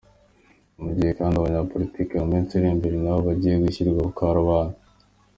Ni mu gihe kandi abanyapolitiki mu minsi iri imbere nabo bagiye gushyirwa ku karubanda.